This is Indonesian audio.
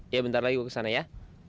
ya bentar lagi gue kesana ya